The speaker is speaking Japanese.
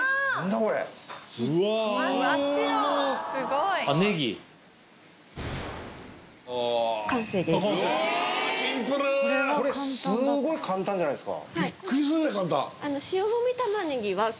これすごい簡単じゃないですか。